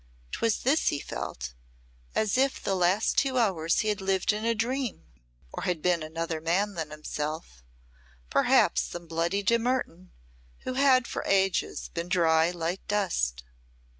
'Twas this he felt as if the last two hours he had lived in a dream or had been another man than himself, perhaps some bloody de Mertoun, who had for ages been dry, light dust.